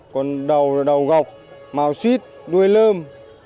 còn đầu là đầu gọc màu suýt đuôi lơm